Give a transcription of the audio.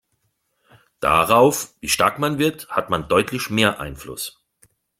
Darauf, wie stark man wird, hat man deutlich mehr Einfluss.